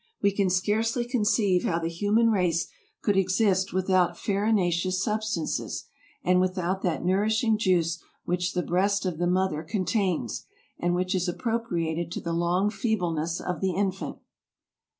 We can scarcely conceive how the human race could exist without farinaceous sub stances, and without that nourishing juice which the breast of the mother contains, and which is appropriated to the long feebleness of the infant.